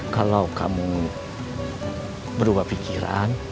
kalau kamu berubah pikir